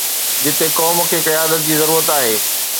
جتي قوم کي قيادت جي ضرورت آهي.